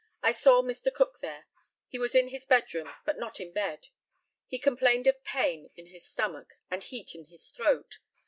I saw Mr Cook there. He was in his bedroom, but not in bed. He complained of pain in his stomach, and heat in his throat.